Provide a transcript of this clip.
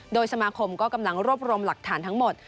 โดยสมาคมก็กำลังรวบรวมหลักฐานทั้งหมด